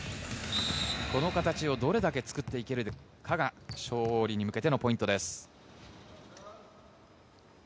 この形をどれだけ作っていけるかが勝利に向けてのポイントです。